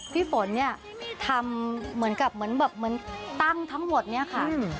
พี่ฝนทำเหมือนกับเหมือนตั้งทั้งหมดนี่ค่ะ